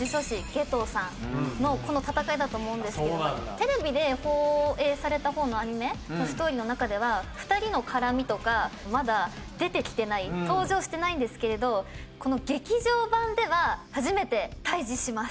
テレビで放映された方のアニメのストーリーの中では２人の絡みとかまだ出てきてない登場してないんですけれどこの劇場版では初めて対峙します。